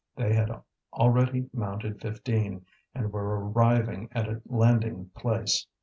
They had already mounted fifteen, and were arriving at a landing place.